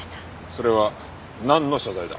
それはなんの謝罪だ？